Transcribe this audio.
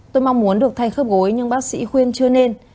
tôi mong muốn được thay khớp gối nhưng bác sĩ khuyên chưa nên